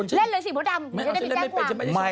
เล่นเลยสิมดดำไม่ได้ไปแจ้งความ